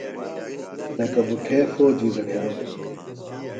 لکہ بُٹھے فوجی گھڈیروۡ بِھلوۡ